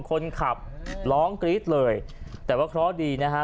คนขับร้องกรี๊ดเลยแต่ว่าเคราะห์ดีนะฮะ